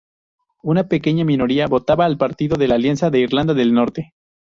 Una pequeña minoría votaba al Partido de la Alianza de Irlanda del Norte.